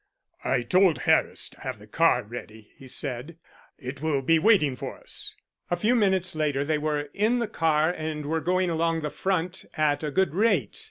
"I told Harris to have the car ready," he said. "It will be waiting for us." A few minutes later they were in the car and were going along the front at a good rate.